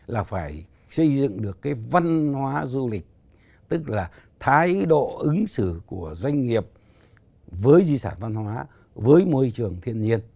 là phải xây dựng được cái văn hóa du lịch tức là thái độ ứng xử của doanh nghiệp với di sản văn hóa với môi trường thiên nhiên